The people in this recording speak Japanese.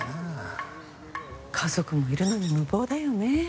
家族もいるのに無謀だよね。